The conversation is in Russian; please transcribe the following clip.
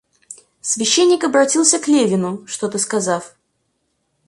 Священник обратился к Левину, что-то сказав.